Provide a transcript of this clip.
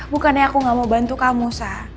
bukannya aku gak mau bantu kamu sah